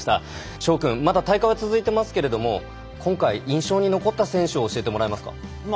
翔君まだ大会は続いていますけれども今回、印象に残った選手を教えてもらえますか。